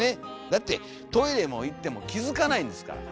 だってトイレも行っても気付かないんですから。